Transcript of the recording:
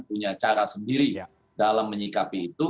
punya cara sendiri dalam menyikapi itu